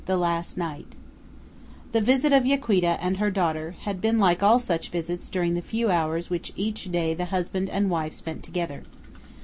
THE LAST NIGHT The visit of Yaquita and her daughter had been like all such visits during the few hours which each day the husband and wife spent together.